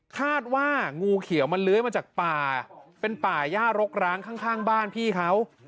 คาดว่างูเขียวมันเลื้อยมาจากป่าเป็นป่าย่ารกร้างข้างบ้านพี่เขา